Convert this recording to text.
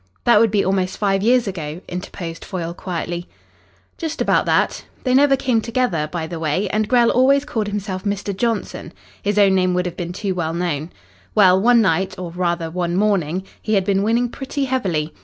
"That would be almost five years ago?" interposed Foyle quietly. "Just about that. They never came together, by the way, and Grell always called himself Mr. Johnson. His own name would have been too well known. Well, one night, or rather one morning, he had been winning pretty heavily.